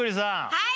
はい！